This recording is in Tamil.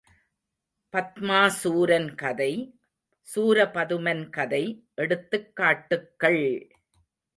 பத்மாசூரன் கதை, சூரபதுமன் கதை எடுத்துக்காட்டுக்கள்!